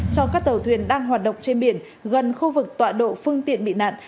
cho các tàu thuyền đang hoạt động trên biển gần khu vực tọa độ phương tiện bị nạn